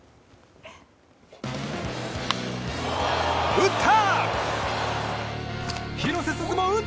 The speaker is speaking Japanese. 打った！